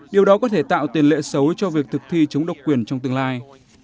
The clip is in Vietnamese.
điều đó có thể tạo tiền lệ xấu cho việc thực thi chống độc quyền trong tương lai